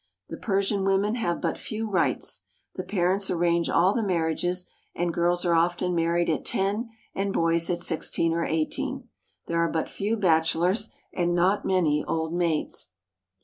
The Persian women have but few rights. The parents arrange all the marriages, and girls are often married at ten and boys at sixteen or eighteen. There are but few bachelors, and not many old maids.